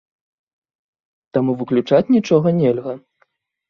Таму выключаць нічога нельга.